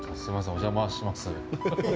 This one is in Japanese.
お邪魔します。